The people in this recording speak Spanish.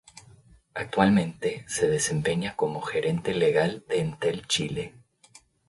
Actualmente se desempeña como gerente legal de Entel Chile.